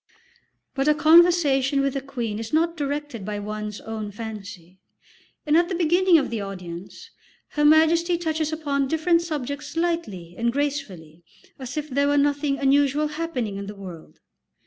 But a conversation with a queen is not directed by one's own fancy, and at the beginning of the audience Her Majesty touches upon different subjects lightly and gracefully as if there were nothing unusual happening in the world.